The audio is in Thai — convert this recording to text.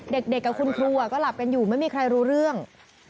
เด็กกับคุณครูก็หลับกันอยู่ไม่มีใครรู้เรื่อง